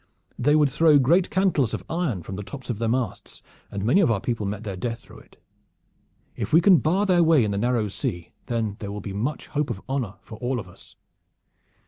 They would throw great cantles of iron from the tops of the masts, and many of our people met their death through it. If we can bar their way in the Narrow Sea, then there will be much hope of honor for all of us."